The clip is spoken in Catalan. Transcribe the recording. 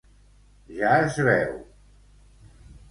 Ja es veu.